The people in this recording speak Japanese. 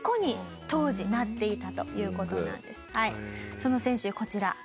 その選手こちら。